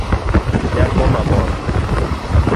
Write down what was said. Nyako mamor